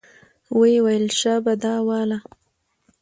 ويې ويل شابه دا واله.